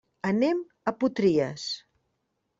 Anem a Potries.